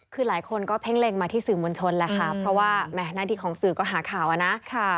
คือหลายคนก็เพ่งเล็งมาที่สื่อมวลชนแหละค่ะเพราะว่าแหมหน้าที่ของสื่อก็หาข่าวอ่ะนะ